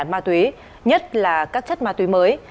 ma túy nhất là các chất ma túy mới